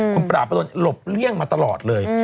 คุณปราบประดนหลบเลี่ยงมาตลอดเลย